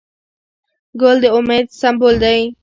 ګل د امید سمبول دی.